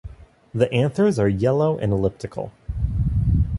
The anthers are yellow and elliptical.